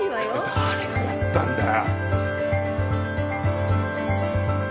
誰がやったんだよ